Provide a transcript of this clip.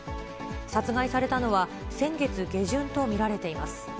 殺害されたのは先月下旬と見られています。